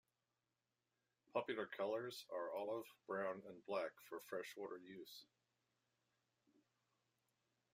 Popular colors are olive, brown, and black for freshwater use.